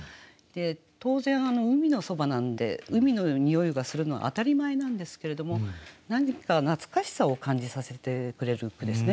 当然海のそばなんで海の匂いがするのは当たり前なんですけれども何か懐かしさを感じさせてくれる句ですね